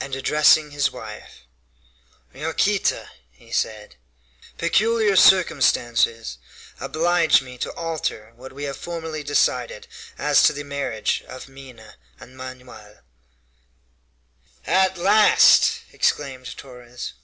And addressing his wife: "Yaquita," he said, "peculiar circumstances oblige me to alter what we have formerly decided as to the marriage of Minha and Manoel." "At last!" exclaimed Torres.